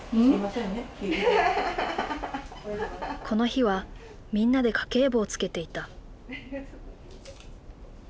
この日はみんなで家計簿をつけていた。